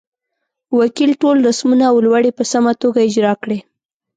وکیل ټول رسمونه او لوړې په سمه توګه اجرا کړې.